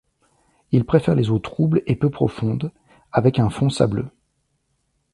Il préfère les eaux troubles et peu profondes, avec un fond sableux.